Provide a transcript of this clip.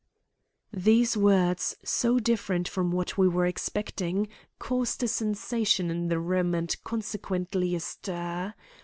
These words, so different from what we were expecting, caused a sensation in the room and consequently a stir.